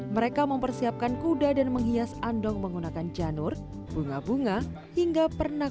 mereka mempersiapkan kuda dan menghias andong menggunakan janur bunga bunga hingga pernak